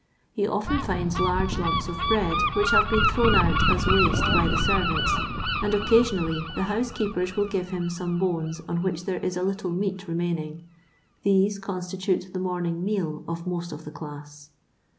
He often finds large lump* of bread which have been thrown out as waste by the servants, and occasionally the house keepers will give him some bones on which there is a little meat remaining; these constitute the morning meal of most of the class.